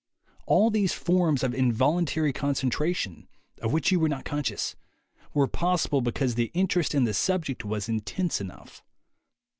All these forms of involun tary concentration, of which you were not con scious, were possible because the interest in the subject was intense enough.